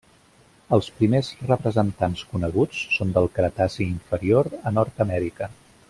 Els primers representants coneguts són del Cretaci Inferior a Nord-amèrica.